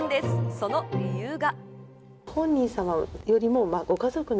その理由が。